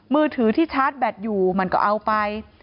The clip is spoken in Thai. มือถือที่ชาร์จแบตอยู่มันก็เอาไป